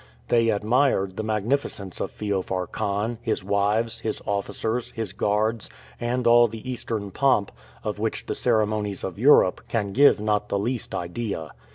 They admired the magnificence of Feofar Khan, his wives, his officers, his guards, and all the Eastern pomp, of which the ceremonies of Europe can give not the least idea.